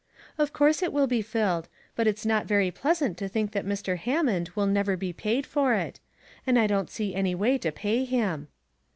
" Of course it will be filled ; but it's not very pleasant to think that Mr. Hammond will never be paid for it ; and I don't see any way to pay him."